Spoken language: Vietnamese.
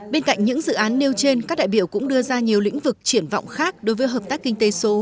bên cạnh những dự án nêu trên các đại biểu cũng đưa ra nhiều lĩnh vực triển vọng khác đối với hợp tác kinh tế số